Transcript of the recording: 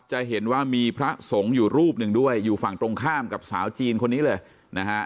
จะเห็นว่ามีพระสงฆ์อยู่รูปหนึ่งด้วยอยู่ฝั่งตรงข้ามกับสาวจีนคนนี้เลยนะฮะ